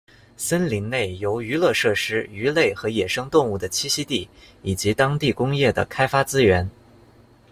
森林内由娱乐设施、鱼类和野生动物的栖息地，以及当地工业的开发资源。